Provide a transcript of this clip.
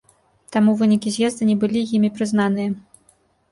Таму вынікі з'езда не былі імі прызнаныя.